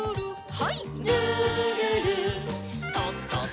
はい。